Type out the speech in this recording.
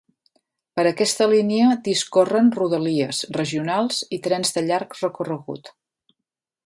Per aquesta línia discorren rodalies, regionals i trens de llarg recorregut.